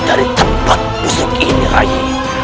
dari tempat busuk ini ayu